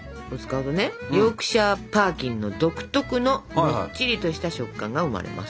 ヨークシャー・パーキンの独特のもっちりとした食感が生まれます。